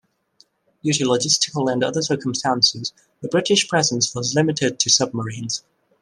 Due to logistical and other circumstances the British presence was limited to submarines.